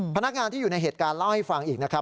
พนักงานที่อยู่ในเหตุการณ์เล่าให้ฟังอีกนะครับ